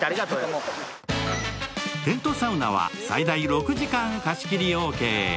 テントサウナは最大６時間、貸し切りオーケー。